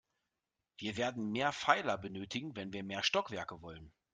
Wir werden mehr Pfeiler benötigen, wenn wir mehr Stockwerke wollen.